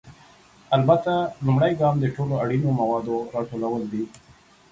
البته، لومړی ګام د ټولو اړینو موادو راټولول دي.